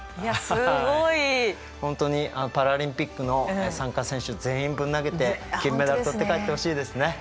本当にパラリンピックの参加選手全員ぶん投げて金メダル取って帰ってほしいですね。